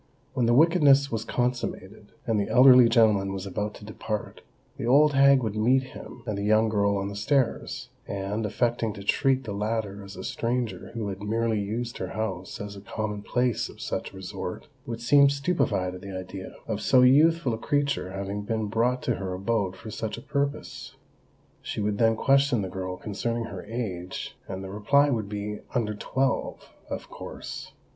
When the wickedness was consummated, and the elderly gentleman was about to depart, the old hag would meet him and the young girl on the stairs, and, affecting to treat the latter as a stranger who had merely used her house as a common place of such resort, would seem stupefied at the idea "of so youthful a creature having been brought to her abode for such a purpose." She would then question the girl concerning her age; and the reply would be "under twelve" of course.